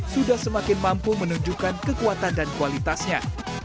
sudah semakin mampu menunjukkan kekuatan dan kualitasnya